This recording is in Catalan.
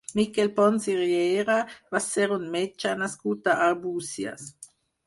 Miquel Pons i Riera va ser un metge nascut a Arbúcies.